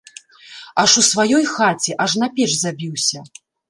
Аж у сваёй хаце, аж на печ забіўся!